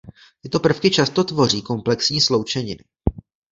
Tyto prvky často tvoří komplexní sloučeniny.